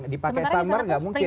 dipake summer gak mungkin